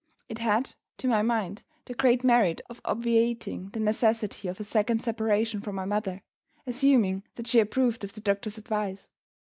It had, to my mind, the great merit of obviating the necessity of a second separation from my mother assuming that she approved of the doctor's advice.